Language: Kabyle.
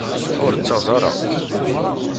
Ur ttaẓ ara.